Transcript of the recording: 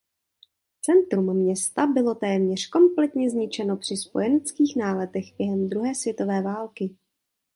Centrum města bylo téměř kompletně zničeno při spojeneckých náletech během druhé světové války.